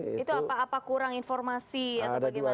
itu apa apa kurang informasi atau bagaimana